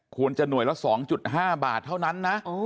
ควรจะหน่วยละ๒๕บาทเท่านั้นนะ